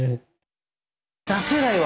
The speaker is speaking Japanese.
出せないわ！